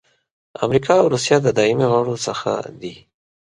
امریکا او روسیه د دایمي غړو څخه دي.